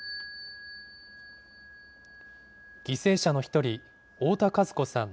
犠牲者の１人、太田和子さん